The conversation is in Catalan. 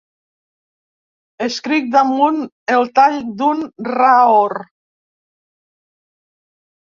Escric damunt el tall d’un raor.